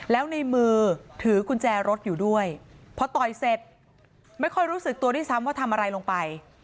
แล้วในมือถือกุญแจรถอยู่ด้วยพอต่อยเสร็จไม่ค่อยรู้สึกตัวด้วยซ้ำว่าทำอะไรลงไป